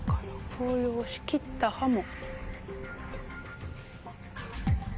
「紅葉しきった葉も」。